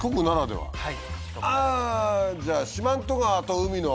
はい。